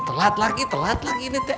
telat lagi telat lagi ini